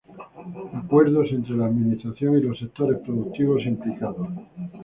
Acuerdos entre la Administración y los sectores productivos implicados.